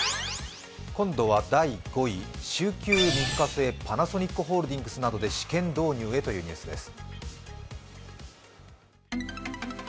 今度は第５位週休３日制、パナソニックホールディングスなどで試験導入へというニュースです。